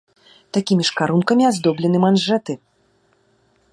Такімі ж карункамі аздоблены манжэты.